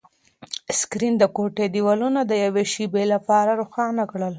سکرین د کوټې دیوالونه د یوې شېبې لپاره روښانه کړل.